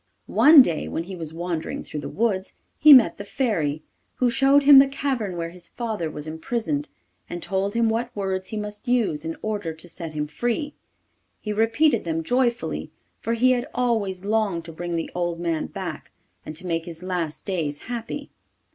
One day, when he was wandering through the woods, he met the Fairy, who showed him the cavern where his father was imprisoned, and told him what words he must use in order to set him free. He repeated them joyfully, for he had always longed to bring the old man back and to make his last days happy.